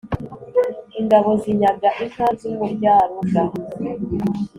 ingabo zinyaga inka z’umuryaruga